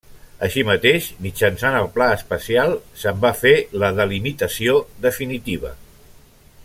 Així mateix, mitjançant el Pla especial se'n va fer la delimitació definitiva.